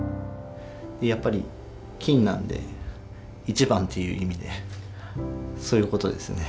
やっぱり金なんで１番っていう意味でそういう事ですね。